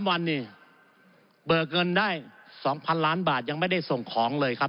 วันนี่เบิกเงินได้๒๐๐๐ล้านบาทยังไม่ได้ส่งของเลยครับ